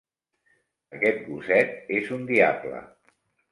Aquest gosset és un diable.